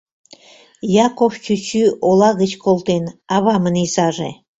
Яков чӱчӱ ола гыч колтен, авамын изаже.